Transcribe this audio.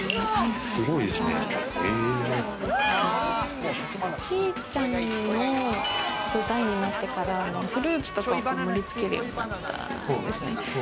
おじいちゃんの代になってからフルーツとかを盛り付けるようになったんですね。